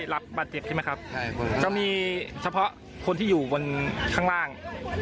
รับบาดเจ็บใช่ไหมครับจะมีเฉพาะคนที่อยู่บนข้างล่าง